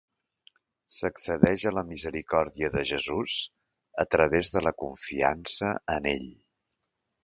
S'accedeix a la misericòrdia de Jesús a través de la confiança en Ell.